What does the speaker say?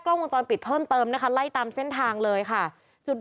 กล้องวงตอนปิดท่อนเติมนะคะไล่ตามเส้นทางเลยค่ะจุด